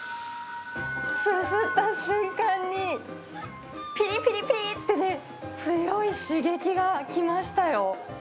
すすった瞬間に、ぴりぴりぴりってね、強い刺激がきましたよ。